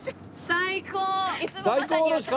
最高！